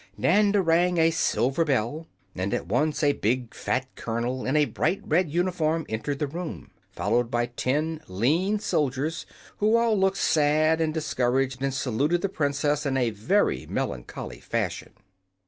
Nanda rang a silver bell, and at once a big fat colonel in a bright red uniform entered the room, followed by ten lean soldiers, who all looked sad and discouraged and saluted the princess in a very melancholy fashion.